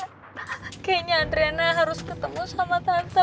kayaknya adrena harus ketemu sama tante